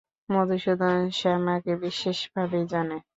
মধুসূদন শ্যামাকে বিশেষ ভাবেই জানে।